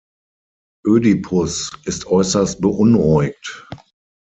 Ödipus ist äußerst beunruhigt.